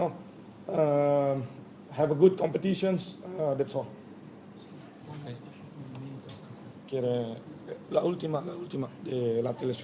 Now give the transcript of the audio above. dan memiliki pertandingan yang baik